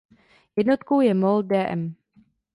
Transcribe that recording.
Jednotkou je mol.dm.